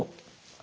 あ！